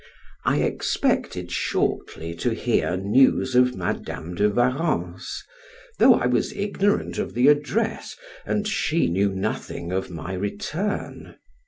I expected shortly to hear news of Madam de Warrens, though I was ignorant of the address, and she knew nothing of my return.